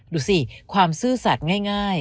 ดูสิความซื่อสัตว์ง่าย